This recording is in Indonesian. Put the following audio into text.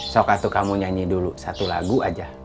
sok atu kamu nyanyi dulu satu lagu aja